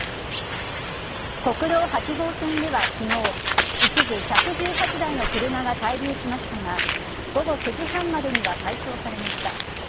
国道８号線では昨日一時、１１８台の車が滞留しましたが午後９時半までには解消されました。